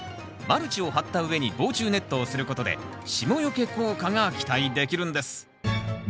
マルチを張った上に防虫ネットをすることで霜よけ効果が期待できるんです。